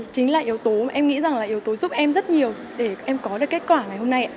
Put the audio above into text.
chính là yếu tố giúp em rất nhiều để em có được kết quả ngày hôm nay